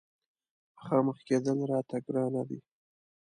مخامخ کېدل راته ګرانه دي.